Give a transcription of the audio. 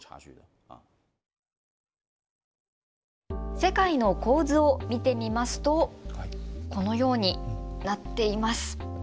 世界の構図を見てみますとこのようになっています。